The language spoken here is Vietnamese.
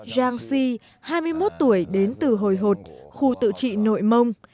zhang xi hai mươi một tuổi đến từ hồi hột khu tự trị nội mông